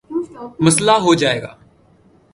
مسلہ ہو جائے گا